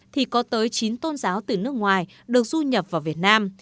thì có tới chín tôn giáo từ nước ngoài được du nhập vào việt nam